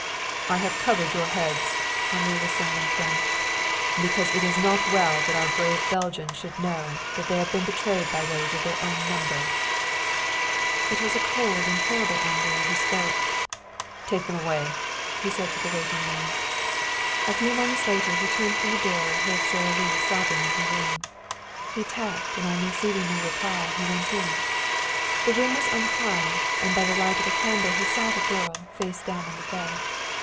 "I have covered your heads," Henri was saying in French, "because it is not well that our brave Belgians should know that they have been betrayed by those of their own number." It was a cold and terrible Henri who spoke. "Take them away," he said to the waiting men. A few moments later he turned from the door and heard Sara Lee sobbing in her room. He tapped, and on receiving no reply he went in. The room was unharmed, and by the light of a candle he saw the girl, face down on the bed.